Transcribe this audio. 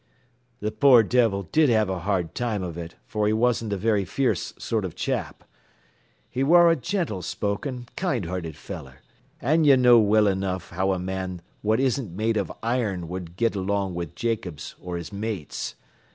"Th' poor divil did have a hard time av it, fer he wasn't a very fierce sort o' chap. He ware a gentil spoken, kind hearted feller, an' ye know well enough how a man what isn't made of iron wud git along wid Jacobs or his mates.